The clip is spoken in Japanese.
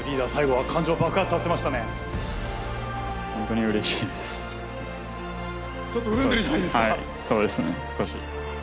はいそうですね少し。